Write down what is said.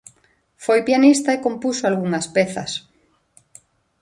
Foi pianista e compuxo algunhas pezas.